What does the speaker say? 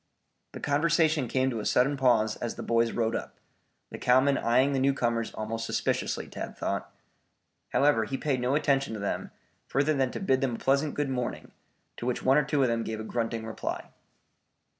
The conversation came to a sudden pause as the boys rode up, the cowmen eyeing the newcomers almost suspiciously, Tad thought. However, he paid no attention to them, further than to bid them a pleasant good morning, to which one or two of them gave a grunting reply.